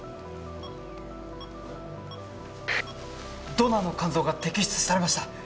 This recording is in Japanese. ドナーの肝臓が摘出されました。